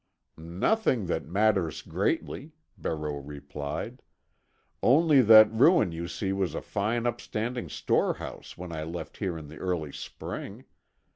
"Nothing that matters greatly," Barreau replied. "Only that ruin you see was a fine upstanding storehouse when I left here in the early spring.